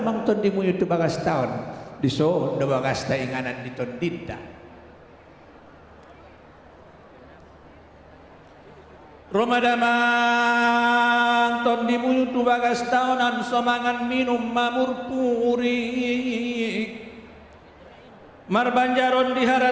tentang prosesi ini saya ingin mengucapkan kepada anda